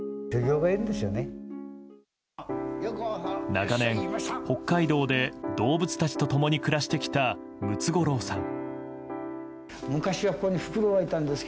長年、北海道で動物たちと共に暮らしてきたムツゴロウさん。